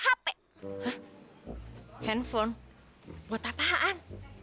hah handphone buat apaan